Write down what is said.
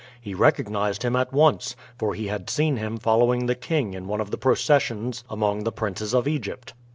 He recognized him at once, for he had seen him following the king in one of the processions among the princes of Egypt.